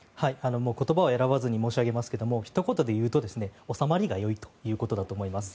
言葉を選ばずに申し上げますけどひと言で言うと収まりがよいということだと思います。